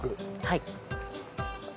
はい。